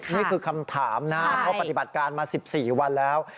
นี่คือคำถามนะเพราะปฏิบัติการมา๑๔วันแล้ว